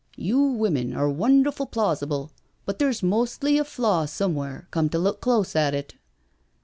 " You women are wonderful plausible, but there's mostly a flaw somewhere, come to look close at it.